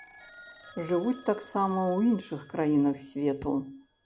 Жывуць таксама ў іншых краінах свету.